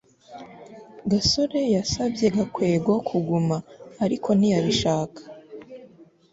gasore yasabye gakwego kuguma, ariko ntiyabishaka